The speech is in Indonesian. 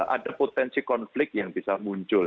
ada potensi konflik yang bisa muncul